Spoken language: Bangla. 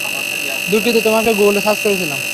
দুঃখিত, তোমাকে গুগলে সার্চ করেছিলাম।